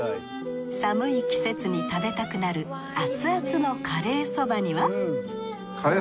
寒い季節に食べたくなるアツアツのカレー蕎麦には？